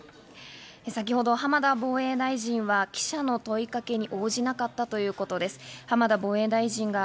先ほど浜田防衛大臣は記者の問いかけに応じなかったということです。